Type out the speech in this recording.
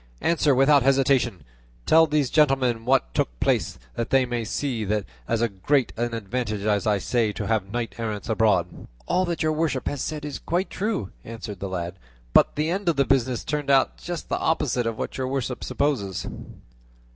Answer without hesitation; tell these gentlemen what took place, that they may see that it is as great an advantage as I say to have knights errant abroad." "All that your worship has said is quite true," answered the lad; "but the end of the business turned out just the opposite of what your worship supposes."